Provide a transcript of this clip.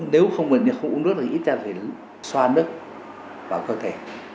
nếu không uống nước thì ít ra phải xoa nước vào cơ thể